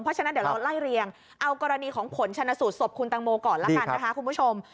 เพราะฉะนั้นเดี๋ยวเราไล่เรียงเอากรณีของผลชนะสูตรศพคุณตังโมก่อนละกันนะคะคุณผู้ชม